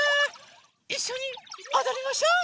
いっしょにおどりましょ。